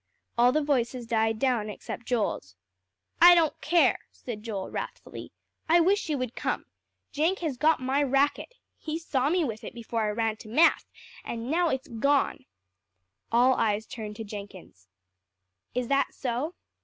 All the voices died down except Joel's. "I don't care," said Joel wrathfully. "I wish she would come. Jenk has got my racket. He saw me with it before I ran to math; and now it's gone." All eyes turned to Jenkins. "Is that so?"